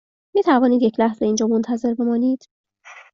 می توانید یک لحظه اینجا منتظر بمانید؟